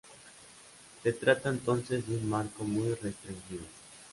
Se trata entonces de un marco muy restringido.